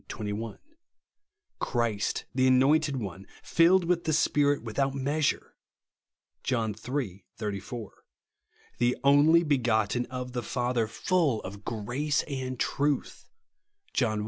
21) ; "Christ," the anointed One, filled with the Spirit without measure (John iii. 34) ;" the only begotten of the Father, full of grace and truth " (John i.